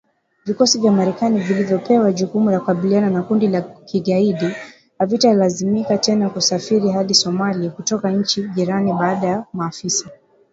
Vikosi vya Marekani vilivyopewa jukumu la kukabiliana na kundi la kigaidi havitalazimika tena kusafiri hadi Somalia kutoka nchi jirani baada ya maafisa